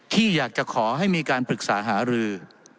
ที่อยากจะขอให้มีการปรึกษาหารือ